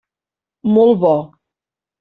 Molt bo.